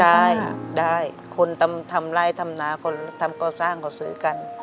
ใช่ได้คนทำไร่ทำนาคนทำก่อสร้างเขาซื้อกัน